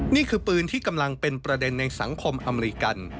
นี่คือปืนที่กำลังเป็นประเด็นในสังคมอเมริกัน